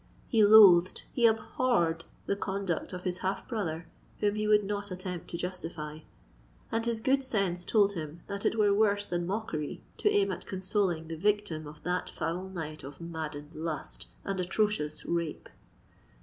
He loathed—he abhorred the conduct of his half brother, whom he would not attempt to justify;—and his good sense told him that it were worse than mockery to aim at consoling the victim of that foul night of maddened lust and atrocious rape.